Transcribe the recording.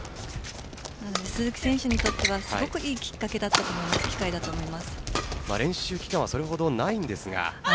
なので鈴木選手にとってはすごくいい機会だったと練習期間はそれほどないんですが。